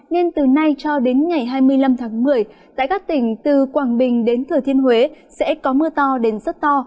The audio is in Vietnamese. nên từ nay cho đến ngày hai mươi năm tháng một mươi tại các tỉnh từ quảng bình đến thừa thiên huế sẽ có mưa to đến rất to